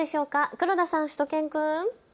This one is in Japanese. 黒田さん、しゅと犬くん。